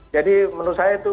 jadi menurut saya itu